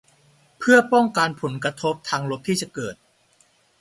เพื่อป้องกันผลกระทบทางลบที่จะเกิด